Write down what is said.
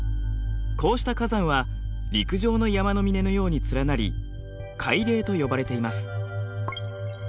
こうした火山は陸上の山の峰のように連なり海嶺と呼ばれています。